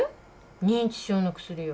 認知症の薬よ。